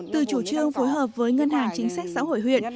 từ chủ trương phối hợp với ngân hàng chính sách xã hội huyện